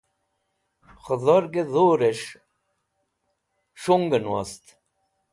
khudorg e dhur'esh s̃hung'en wost